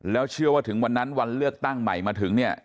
แล้วเชื่อว่าถึงวันนั้นวันเลือกตั้งใหม่มาถึงเนี่ย